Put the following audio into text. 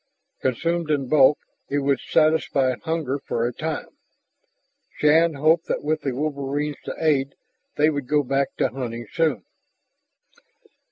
Consumed in bulk it would satisfy hunger for a time. Shann hoped that with the wolverines to aid they could go back to hunting soon.